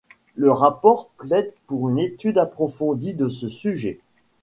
Le rapport plaide pour une étude approfondie de ce sujet.